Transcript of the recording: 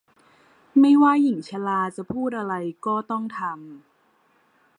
ไม่ว่าหญิงชราจะพูดอะไรก็ต้องทำ